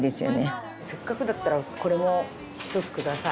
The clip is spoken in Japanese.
せっかくだったらこれも１つください。